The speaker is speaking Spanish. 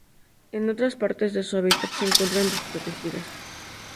En otras partes de su hábitat se encuentran desprotegidas.